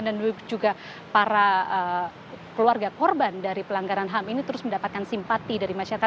dan juga para keluarga korban dari pelanggaran ham ini terus mendapatkan simpati dari masyarakat